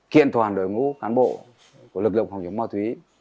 kiện toàn đội ngũ cán bộ của lực lượng phòng chống ma túy